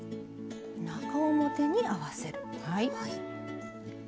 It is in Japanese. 中表に合わせる。